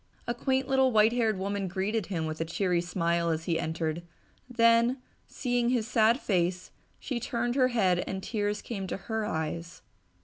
A quaint little white haired woman greeted him with a cheery smile as he entered, then, seeing his sad face, she turned her head and tears came to her eyes.